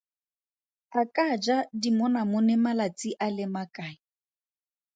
A ka ja dimonamone malatsi a le makae?